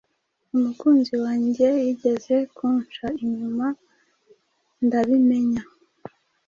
umukunzi wanjye yigeze kunca inyuma ndabimenya